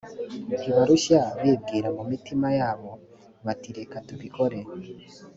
ntibarushya bibwira mu mitima yabo bati reka tubikore